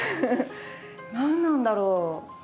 何なんだろう？